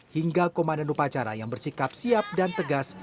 hingga komandan upacara yang bersikap siap dan tegas